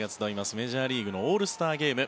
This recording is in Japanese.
メジャーリーグのオールスターゲーム。